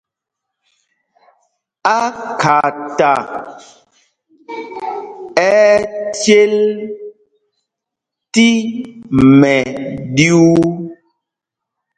Ákhata ɛ́ ɛ́ cěl tí mɛɗyuu.